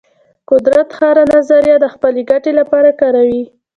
قدرت هره نظریه د خپل ګټې لپاره کاروي.